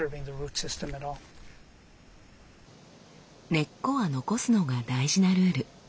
根っこは残すのが大事なルール。